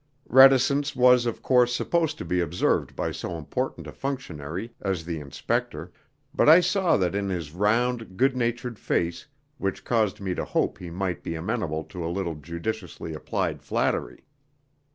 Reticence was, of course, supposed to be observed by so important a functionary as the inspector, but I saw that in his round, good natured face which caused me to hope he might be amenable to a little judiciously applied flattery.